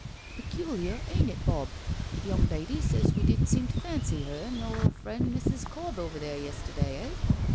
*' Peculiar, ain*t it, Bob? The young lady says we didn't seem to fancy her nor 'er friend Mrs, Cobbe over there, yesterday— eh?"